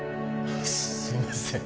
すいません。